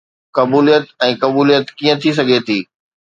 قبوليت ۽ قبوليت ڪيئن ٿي سگهي ٿي؟